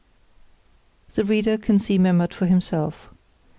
The reader can see Memmert for himself.